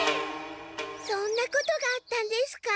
そんなことがあったんですか。